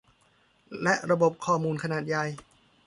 และระบบข้อมูลขนาดใหญ่